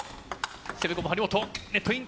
攻め込む張本、ネットイン。